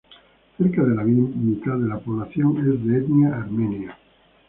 Cerca de la mitad de la población es de etnia armenia.